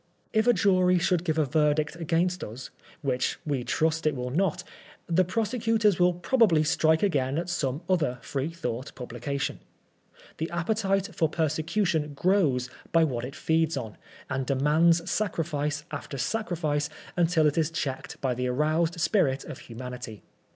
" IE a jury should give a verdict against us, which we trust it will not, the prosecutors will probably strike again at some other Free thought publication. The appetite for persecution grows by what it feeds on, and demands sacriiice after sacrifice until it is checked by the aroused spirit of humanity.